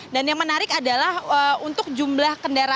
dan yang menarik adalah untuk jumlah kendaraan